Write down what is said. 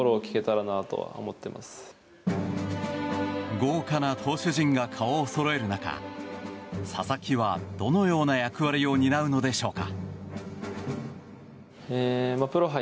豪華な投手陣が顔をそろえる中佐々木は、どのような役割を担うのでしょうか。